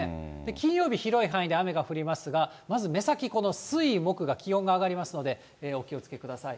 金曜日、広い範囲で雨が降りますが、まず目先、この水、木が気温が上がりますので、お気をつけください。